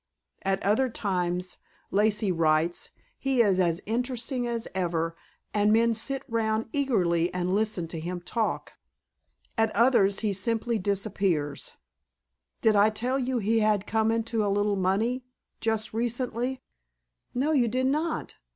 At other times, Lacey writes, he is as interesting as ever and men sit round eagerly and listen to him talk. At others he simply disappears. Did I tell you he had come into a little money just recently?" "No, you did not.